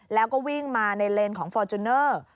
แล้วก็วิ่งมาในเลนของฟอร์จูเนอร์